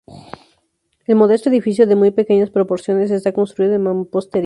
El modesto edificio de muy pequeñas proporciones, está construido en mampostería.